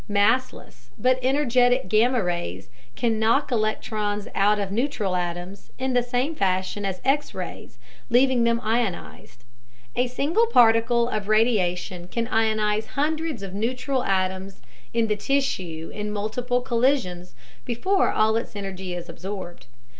Massless but energetic gamma rays can knock electrons out of neutral atoms in the same fashion as X rays, leaving them ionized. A single particle of radiation can ionize hundreds of neutral atoms in the tissue in multiple collisions before all its energy is absorbed.